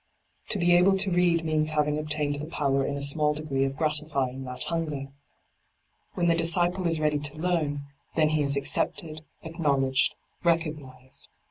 To be able to read means having obtained the power in a small degree of gratifying that hunger. When the disciple is ready to learn, then he is accepted, acknow ledged, recognised.